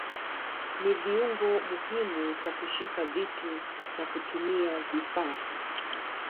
Ni viungo muhimu kwa kushika vitu na kutumia vifaa.